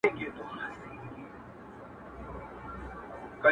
صدقه نه- په څو ـ څو ځلې صدقان وځي-